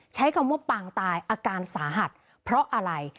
ใช้คำว่าปางตายอาการสาหัสเพราะอะไร